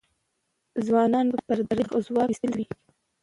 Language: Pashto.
غازیانو به پردی ځواک ایستلی وي.